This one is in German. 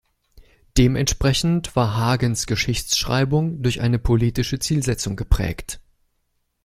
Dementsprechend war Hagens Geschichtsschreibung durch eine politische Zielsetzung geprägt.